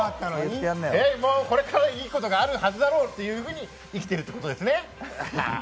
これからいいことがあるはずだろうというふうに生きてるということですね。